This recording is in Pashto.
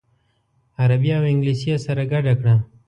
عربي او انګلیسي یې سره ګډه کړه.